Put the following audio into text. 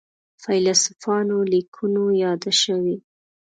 فیلسوفانو لیکنو یاده شوې.